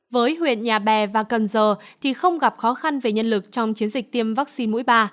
với huyện nhà bè và cần giờ thì không gặp khó khăn về nhân lực trong chiến dịch tiêm vaccine mũi ba